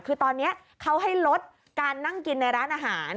คือตอนนี้เขาให้ลดการนั่งกินในร้านอาหาร